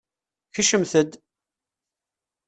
Kecmet-d!